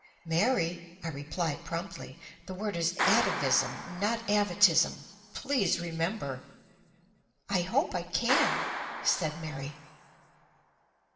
"Mary," I reply promptly, "the word is 'atavism,' not 'avatism,' please remember!" "I hope I can," said Mary.